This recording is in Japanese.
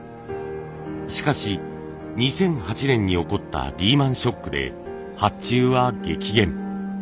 しかし２００８年に起こったリーマン・ショックで発注は激減。